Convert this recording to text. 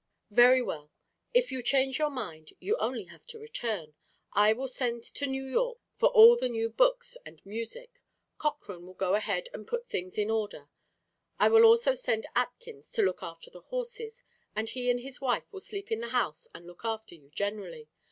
"Very well. If you change your mind, you have only to return. I will send to New York for all the new books and music. Cochrane will go ahead and put things in order. I will also send Atkins to look after the horses; and he and his wife will sleep in the house and look after you generally.